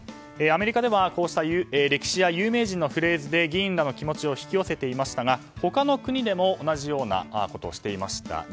アメリカでは、こうした歴史や有名人のフレーズで議員らの気持ちを引き寄せていましたが他の国でも同じようなことをしていました。